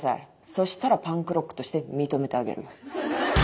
そしたらパンクロックとして認めてあげる。